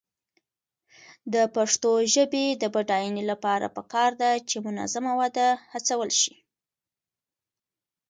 د پښتو ژبې د بډاینې لپاره پکار ده چې منظمه وده هڅول شي.